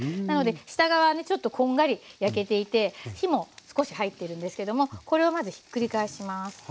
なので下側ねちょっとこんがり焼けていて火も少し入ってるんですけどもこれをまずひっくり返します。